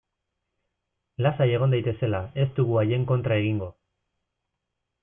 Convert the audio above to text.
Lasai egon daitezela, ez dugu haien kontra egingo.